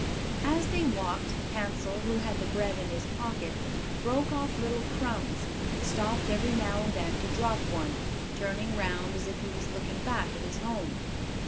As they walked, Hansel, who had the bread in his pocket, broke off little crumbs, and stopped every now and then to drop one, turning round as if he was looking back at his home.